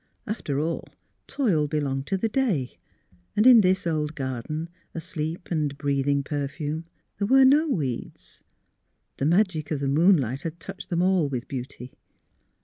After all, toil belonged to the day, and in this old garden, asleep and breath ing perfume, there were no weeds ; the magic of the moonlight had touched them all with beauty.